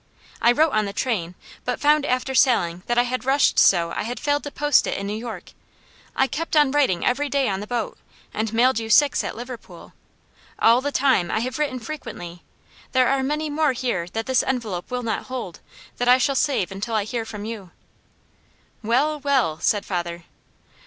"'I wrote on the train, but found after sailing that I had rushed so I had failed to post it in New York. I kept on writing every day on the boat, and mailed you six at Liverpool. All the time I have written frequently; there are many more here that this envelope will not hold, that I shall save until I hear from you.'" "Well, well!" said father.